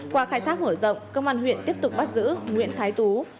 qua khai thác mở rộng công an huyện tiếp tục bắt giữ nguyễn thái tú